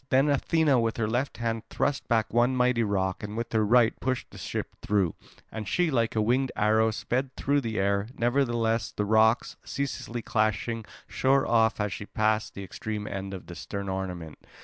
Then Athena with her left hand thrust back one mighty rock and with her right pushed the ship through; and she, like a winged arrow, sped through the air. Nevertheless the rocks, ceaselessly clashing, shore off as she passed the extreme end of the stern ornament.